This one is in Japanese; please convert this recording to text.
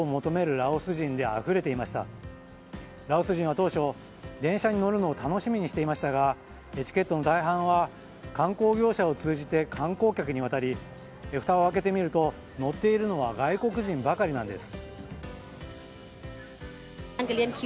ラオス人は当初、電車に乗るのを楽しみにしていましたがチケットの大半は観光業者を通じて観光客にわたりふたを開けてみると乗っているのは外国人ばかりなんです。